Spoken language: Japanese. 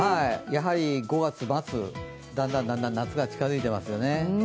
やはり５月末、だんだん夏が近付いてますよね。